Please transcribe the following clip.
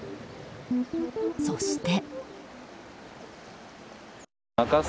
そして。